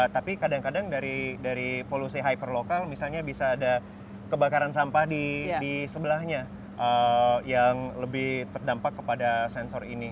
tapi kadang kadang dari polusi hyper lokal misalnya bisa ada kebakaran sampah di sebelahnya yang lebih terdampak kepada sensor ini